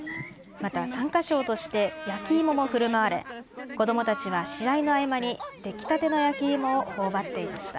また参加賞として焼き芋もふるまわれ子どもたちは試合の合間に出来たての焼き芋をほおばっていました。